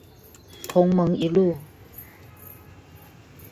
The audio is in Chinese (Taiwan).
同盟一路